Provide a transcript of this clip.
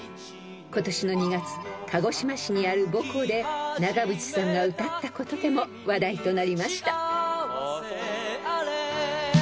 ［今年の２月鹿児島市にある母校で長渕さんが歌ったことでも話題となりました］